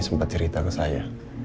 sempet cerita ke saya